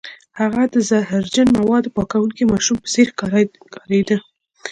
هغه د زهرجن موادو پاکوونکي ماشوم په څیر ښکاریده